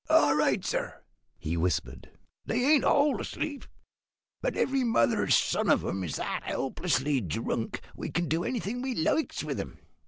"All right, sir," he whispered. "They ain't all asleep; but every mother's son of 'em is that helplessly drunk we can do anything we likes with 'em.